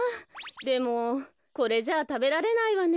でもこれじゃあたべられないわね。